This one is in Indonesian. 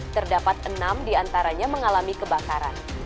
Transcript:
terdapat enam di antaranya mengalami kebakaran